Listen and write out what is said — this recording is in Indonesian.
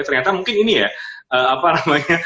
ternyata mungkin ini ya